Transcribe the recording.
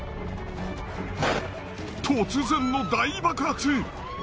突然の大爆発！